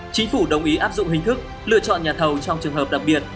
chính phủ đồng ý áp dụng hình thức lựa chọn nhà thầu trong trường hợp đặc biệt